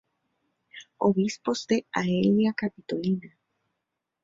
Obispos de Aelia Capitolina.